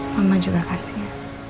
mama juga kasih